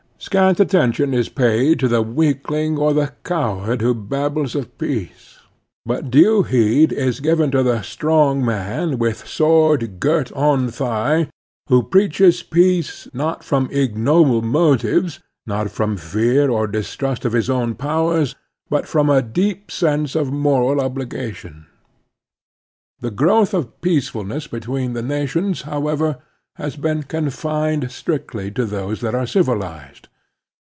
Scant attention is paid to the weakling or the coward who babbles of peace; but due heed is given to the strong man with sword girt on thigh who preaches peace, not from ignoble motives, not from fear or distrust of his own powers, but from a deep sense of moral obligation. The growth of peacefulness between nations, Expansion and Peace 31 however, has been confined strictly to those that are civilized.